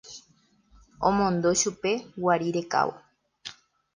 Omondo chupe guari rekávo.